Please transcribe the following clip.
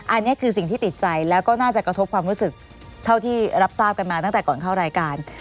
อันนี้คือสิ่งที่ติดใจแล้วก็น่าจะกระทบความรู้สึกเท่าที่รับทราบกันมาตั้งแต่ก่อนเข้ารายการ